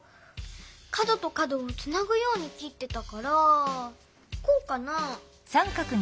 かどとかどをつなぐようにきってたからこうかな？